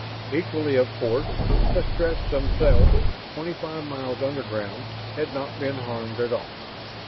Equally of course the Stretts themselves, twenty five miles underground, had not been harmed at all.